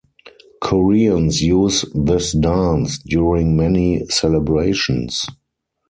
Koreans use this dance during many celebrations.